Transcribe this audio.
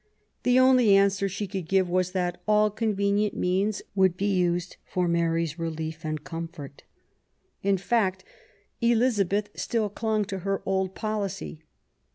The only answer she could give was that all convenient means would be used for Mary's relief and comfort". In fact, Elizabeth still clung to her old policy.